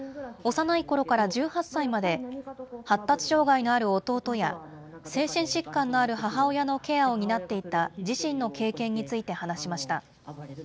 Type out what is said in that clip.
幼いころから１８歳まで、発達障害のある弟や、精神疾患のある母親のケアを担っていた自身の経験について話しました。